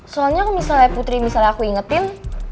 soalnya misalnya putri misalnya aku ingetin